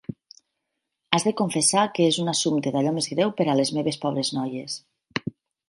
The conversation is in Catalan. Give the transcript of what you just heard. Has de confessar que és un assumpte d'allò més greu per a les meves pobres noies.